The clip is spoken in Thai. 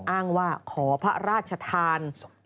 อ้างว่าขอพระราชทาน